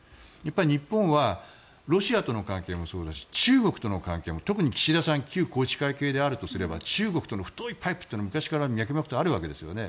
日本はロシアとの関係もそうだし中国との関係も特に岸田さん旧宏池会系であるとすれば中国との太いパイプが昔から脈々とあるわけですよね。